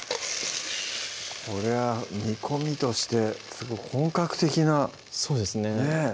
これは煮込みとしてすごく本格的なそうですねねぇ